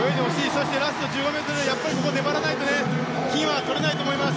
そしてラスト１５ｍでやっぱり粘らないと金はとれないと思います。